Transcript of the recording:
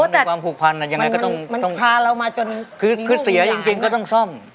ในความผูกพันยังไงก็ต้องพาเรามาจนคือเสียจริงก็ต้องซ่อม